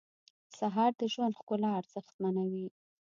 سهار د ژوند ښکلا ارزښتمنوي.